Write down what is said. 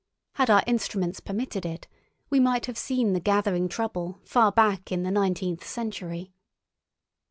Had our instruments permitted it, we might have seen the gathering trouble far back in the nineteenth century.